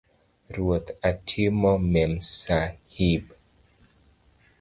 ruoth; atimo Memsahib